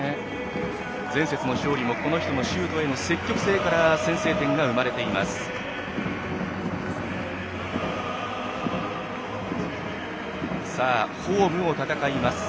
前節の勝利もこの人のシュートへの積極性から先制点が生まれています。